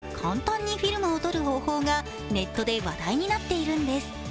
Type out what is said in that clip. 実は今、ベタつかず簡単にフィルムを取る方法がネットで話題になっているんです。